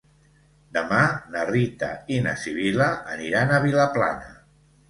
Demà na Rita i na Sibil·la aniran a Vilaplana.